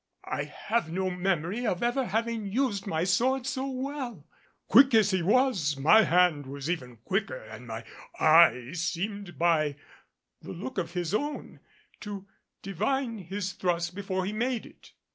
I have no memory of ever having used my sword so well. Quick as he was, my hand was ever quicker and my eye seemed by the look of his own to divine his thrust before he made it.